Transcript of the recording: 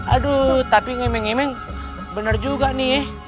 aduh tapi memang mengang benar juga nih